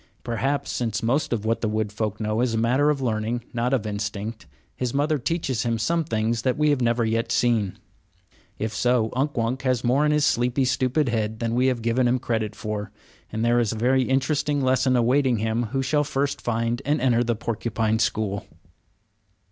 Perhaps since most of what the wood folk know is a matter of learning, not of instinct his mother teaches him some things that we have never yet seen. If so, Unk Wunk has more in his sleepy, stupid head than we have given him credit for, and there is a very interesting lesson awaiting him who shall first find and enter the porcupine school.